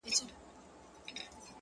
هوښیار انسان د خبرو وزن پېژني،